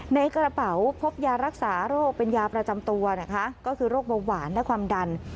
ในกระเป๋าพบยารักษาโรคเป็นยาประจำตัวนะคะก็คือโรคเบาหวานและความดัน